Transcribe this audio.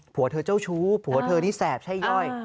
ผัวเธอเจ้าชู้ผัวเธอนี่แสบใช่ย่อย